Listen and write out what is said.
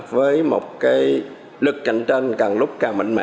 với một cái lực cạnh tranh càng lúc càng mạnh mẽ